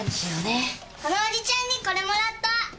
このおじちゃんにこれもらった。